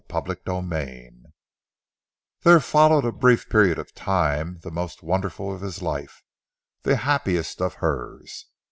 CHAPTER XXIII There followed a brief period of time, the most wonderful of his life, the happiest of hers.